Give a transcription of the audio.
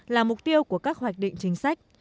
là mục tiêu của các hoạch định chính sách